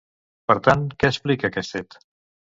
Per tant, què explica aquest fet?